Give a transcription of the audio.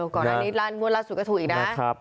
ก่อนอันนี้ร้านงวดล่าสุดก็ถูกอีกนะ